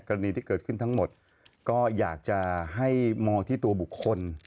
กรณีที่เกิดขึ้นทั้งหมดก็อยากจะให้มองที่ตัวบุคคล